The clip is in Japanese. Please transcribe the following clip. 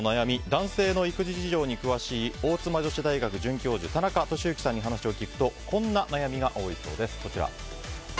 男性の育児事情に詳しい大妻女子大学准教授田中俊之さんに話を聞くとこんな悩みが多いそうです。